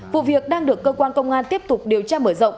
vụ việc đang được cơ quan công an tiếp tục điều tra mở rộng